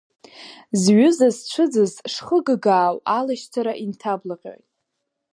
Зҩыза зцәыӡыз шхыгагаау алашьцара инҭаблаҟьоит.